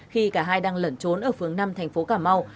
khi cả hai đang lẩn trốn ở phương năm thành phố cà mau